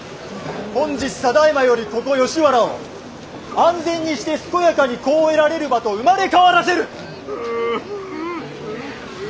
本日ただいまよりここ吉原を安全にして健やかに子を得られる場と生まれ変わらせる！